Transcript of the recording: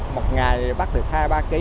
một ngày bắt được hai ba kg